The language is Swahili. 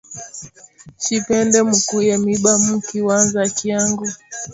Shipende mukuye miba mu kiwanza kyangu